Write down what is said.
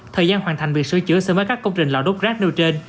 thời gian hoàn thành việc sửa chữa so với các công trình lò đốt rác nêu trên